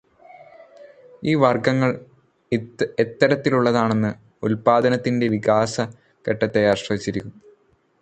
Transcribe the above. ഈ വർഗങ്ങൾ എത്തരത്തിലുള്ളതാണെന്ന് ഉല്പാദനത്തിന്റെ വികാസഘട്ടത്തെ ആശ്രയിച്ചിരിക്കും.